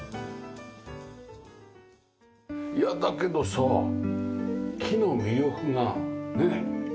いやだけどさ木の魅力がねえ。